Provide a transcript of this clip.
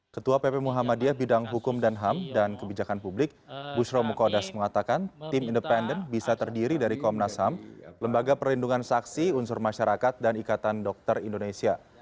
ketua pp muhammadiyah bidang hukum dan ham dan kebijakan publik bushro mukodas mengatakan tim independen bisa terdiri dari komnas ham lembaga perlindungan saksi unsur masyarakat dan ikatan dokter indonesia